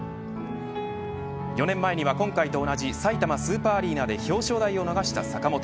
４年前には、今回と同じさいたまスーパーアリーナで表彰台を逃した坂本。